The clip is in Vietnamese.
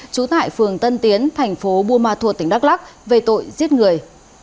chú tại phường tân tiến thành phố bua ma thuột tỉnh đắk lắc về tội giết người